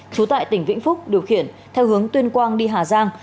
trú tại tỉnh vĩnh phúc điều khiển theo hướng tuyên quang đi hà giang